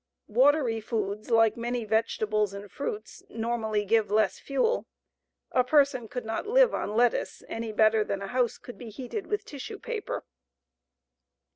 Watery foods, like many vegetables and fruits, normally give less fuel. A person could not live on lettuce any better than a house could be heated with tissue paper.